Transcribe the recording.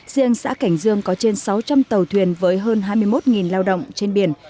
riêng xã cảnh dương có trên sáu trăm linh tàu thuyền với hơn hai mươi một lao động trên biển